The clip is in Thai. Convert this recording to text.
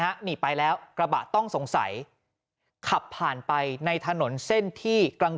หนีไปแล้วกระบะต้องสงสัยขับผ่านไปในถนนเส้นที่กลาง